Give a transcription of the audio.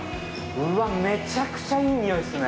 うわっ、めちゃくちゃいい匂いですね！